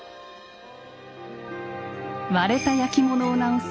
割れた焼き物を直す